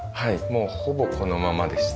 もうほぼこのままでした。